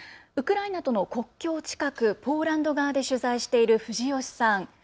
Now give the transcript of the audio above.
ウクライナとの国境近くポーランド側で取材している、藤吉さん。